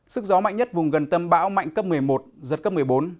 sức gió mạnh nhất vùng gần tâm bão mạnh cấp một mươi một giật cấp một mươi bốn